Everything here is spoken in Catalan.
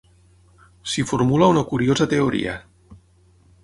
S'hi formula una curiosa teoria.